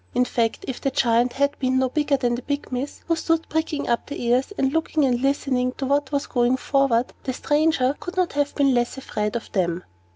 In fact, if the Giant had been no bigger than the Pygmies (who stood pricking up their ears, and looking and listening to what was going forward), the stranger could not have been less afraid of him.